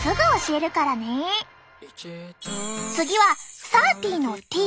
次はサーティーのＴ！